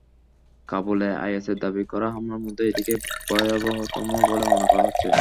কাবুলে আইএসের দাবি করা হামলার মধ্যে এটিকেই ভয়াবহতম বলে মনে করা হচ্ছে।